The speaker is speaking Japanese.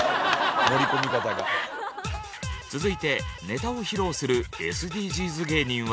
続いてネタを披露するＳＤＧｓ芸人は。